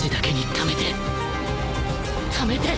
ためて！